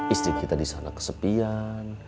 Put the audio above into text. istri kita disana kesepian